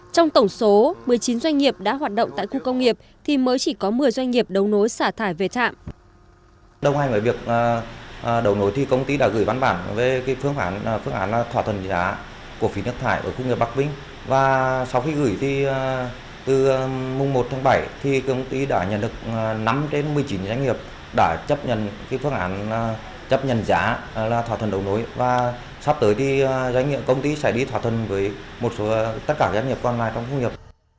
trong tổng số một mươi chín doanh nghiệp đã hoạt động tại khu công nghiệp thì mới chỉ có một mươi doanh nghiệp đấu nối xả thải về trạm